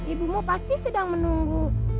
ibumu pasti sedang menunggu